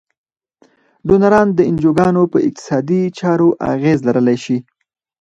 ډونران د انجوګانو په اقتصادي چارو اغیز لرلای شي.